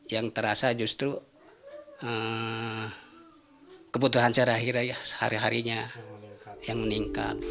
yang terasa justru kebutuhan sehari harinya yang meningkat